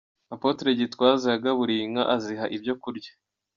Apotre Gitwaza yagaburiye inka aziha ibyo kurya.